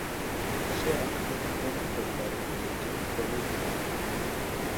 সে এক প্রতিদ্বন্দ্বী পরিবারের মেয়েকে প্রলুব্ধ করে।